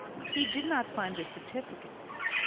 He did not find the certificates.